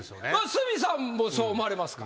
角さんもそう思われますか？